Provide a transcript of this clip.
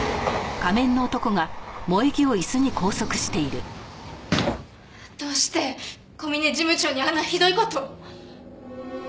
ハハッ。どうして小嶺事務長にあんなひどい事を。